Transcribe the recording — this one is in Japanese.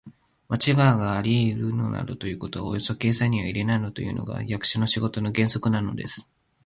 まちがいがありうるなどということはおよそ計算には入れないというのが、役所の仕事の原則なのです。